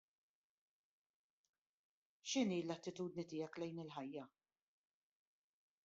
X'inhi l-attitudni tiegħek lejn il-ħajja?